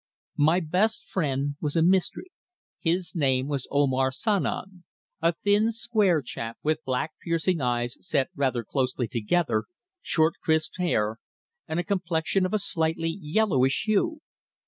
My best friend was a mystery. His name was Omar Sanom, a thin spare chap with black piercing eyes set rather closely together, short crisp hair and a complexion of a slightly yellowish hue.